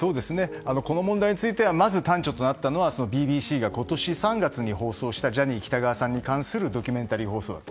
この問題については端緒となったのはＢＢＣが今年３月に放送したジャニー喜多川さんに関するドキュメンタリー放送。